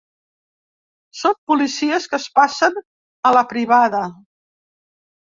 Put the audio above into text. Són policies que es passen a la privada.